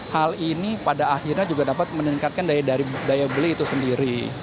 hal ini pada akhirnya juga dapat meningkatkan daya dari daya beli itu sendiri